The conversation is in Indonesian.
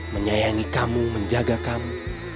menyayangi kamu menjaga kamu